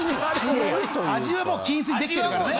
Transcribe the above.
・味はもう均一にできてるからね。